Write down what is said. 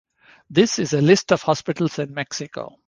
This is a list of hospitals in Mexico.